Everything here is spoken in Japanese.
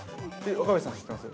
◆若林さん、知っています？